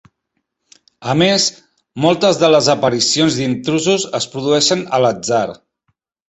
A més, moltes de les aparicions d'intrusos es produeixen a l'atzar.